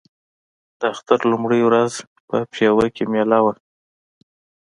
د اختر لومړۍ ورځ په پېوه کې مېله وه.